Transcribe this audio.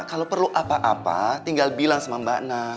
kalau perlu apa apa tinggal bilang sama mbak nana